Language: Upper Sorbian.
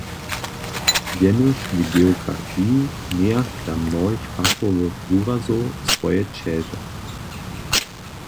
Jenož w geografiji mějach dla mnohich fachowych wurazow swoje ćeže.